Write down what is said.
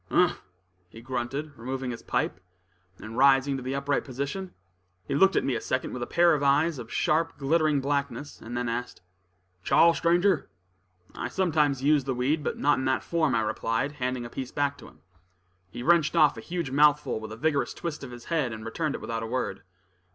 "Umph!" he grunted, removing his pipe, and rising to the upright position. He looked at me a second with a pair of eyes of sharp, glittering blackness, and then asked: "Chaw, stranger?" "I sometimes use the weed, but not in that form," I replied, handing a piece to him. He wrenched off a huge mouthful with a vigorous twist of his head, and returned it without a word.